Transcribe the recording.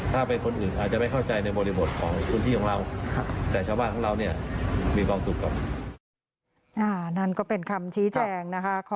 ธรรมชาติพร้อมขึ้นมา